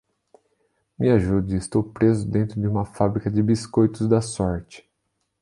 Me ajude, estou preso dentro de uma fábrica de biscoitos da sorte!